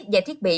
và thiết bị